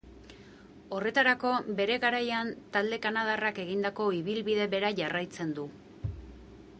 Horretarako, bere garaian talde kanadarrak egindako ibilbide bera jarraitzen du.